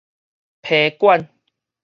批館